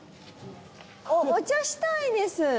お茶したいです。